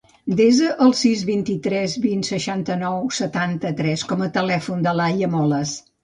Desa el sis, vint-i-tres, vint, seixanta-nou, setanta-tres com a telèfon de l'Aya Molas.